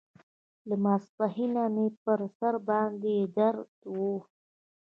له ماسپښينه مې پر سر باندې درد و.